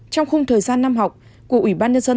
trong khung thời gian năm học của ủy ban nhân dân